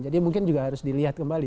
jadi mungkin juga harus dilihat kembali